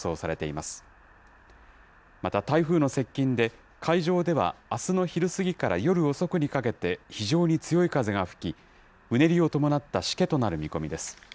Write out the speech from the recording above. また台風の接近で、海上ではあすの昼過ぎから夜遅くにかけて非常に強い風が吹き、うねりを伴ったしけとなる見込みです。